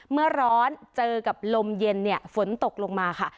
เมื่อร้อนเจอกับลมเย็นฝนตกลงมาค่ะ